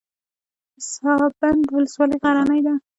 پسابند ولسوالۍ غرنۍ ده؟